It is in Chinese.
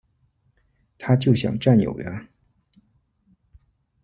他就想占有呀